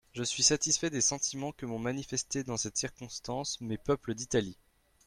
»Je suis satisfait des sentimens que m'ont manifestés dans cette circonstance mes peuples d'Italie.